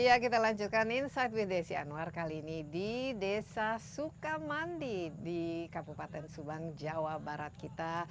ya kita lanjutkan insight with desi anwar kali ini di desa sukamandi di kabupaten subang jawa barat kita